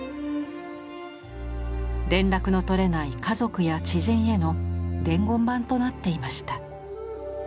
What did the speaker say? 連絡の取れない家族や知人への伝言板となっていました。